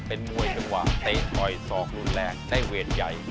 เป็นมวยจังหวะใต้ถอย๒รุ่นแรกได้เวทย์ใหญ่